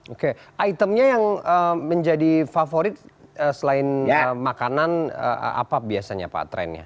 oke itemnya yang menjadi favorit selain makanan apa biasanya pak trennya